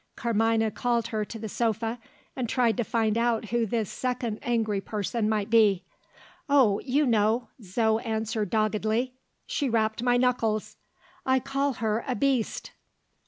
Carmina called her to the sofa, and tried to find out who this second angry person might be. "Oh, you know!" Zo answered doggedly. "She rapped my knuckles. I call her a Beast."